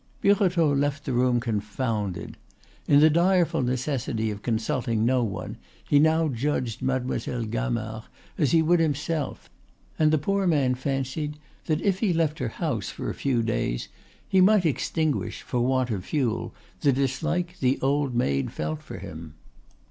Birotteau left the room confounded. In the direful necessity of consulting no one, he now judged Mademoiselle Gamard as he would himself, and the poor man fancied that if he left her house for a few days he might extinguish, for want of fuel, the dislike the old maid felt for him.